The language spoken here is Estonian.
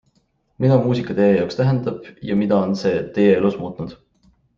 Mida muusika teie jaoks tähendab ja mida on see teie elus muutnud?